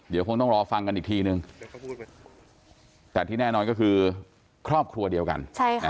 เดี๋ยวคงต้องรอฟังกันอีกทีนึงแต่ที่แน่นอนก็คือครอบครัวเดียวกัน